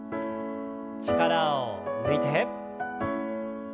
力を抜いて。